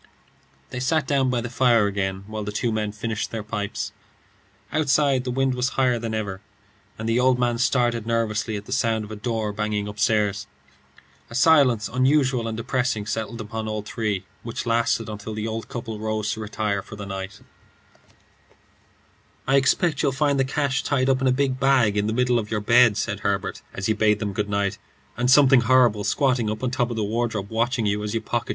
They sat down by the fire again while the two men finished their pipes. Outside, the wind was higher than ever, and the old man started nervously at the sound of a door banging upstairs. A silence unusual and depressing settled upon all three, which lasted until the old couple rose to retire for the night. "I expect you'll find the cash tied up in a big bag in the middle of your bed," said Herbert, as he bade them good night, "and something horrible squatting up on top of the wardrobe watching you as you pocket your ill gotten gains." He sat alone in the darkness, gazing at the dying fire, and seeing faces in it.